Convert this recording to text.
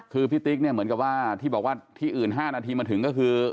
คือพี่ติ๊กเนี่ยเหมือนกับว่าที่บอกว่าที่อื่น๕นาทีมาถึงก็คือ